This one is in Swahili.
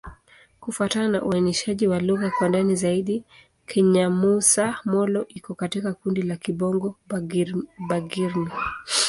Kufuatana na uainishaji wa lugha kwa ndani zaidi, Kinyamusa-Molo iko katika kundi la Kibongo-Bagirmi.